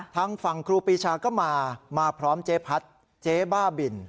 ทางฝั่งครูปีชาก็มามาพร้อมเจ๊พัดเจ๊บ้าบิน